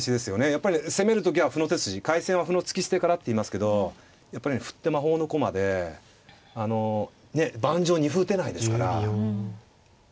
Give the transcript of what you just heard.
やっぱり攻める時は歩の手筋「開戦は歩の突き捨てから」っていいますけどやっぱり歩って魔法の駒で盤上２歩打てないですから。